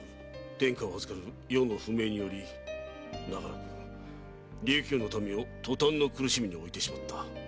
天下を預かる余の不明により長らく琉球の民を塗炭の苦しみに置いてしまった。